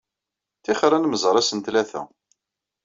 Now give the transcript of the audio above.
Ṭixer ad nemẓer ass n ttlata.